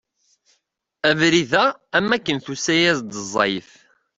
Abrid-a am wakken tusa-yas-d ẓẓayet.